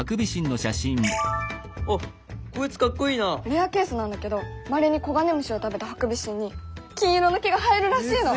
レアケースなんだけどまれに黄金虫を食べたハクビシンに金色の毛が生えるらしいの！